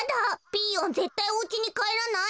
ピーヨンぜったいおうちにかえらない。